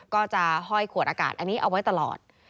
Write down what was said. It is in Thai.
ก็จะห้อยขวดอากาศอันนี้เอาไว้ตลอด